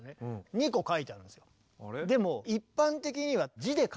２個書いてあるんですよ。